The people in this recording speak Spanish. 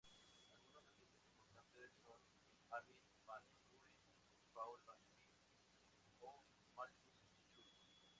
Algunos artistas importantes son "Armin Van Buuren", "Paul van Dyk" o "Markus Schulz".